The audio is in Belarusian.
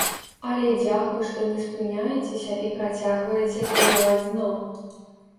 Але дзякуй, што не спыняецеся і працягваеце прабіваць дно.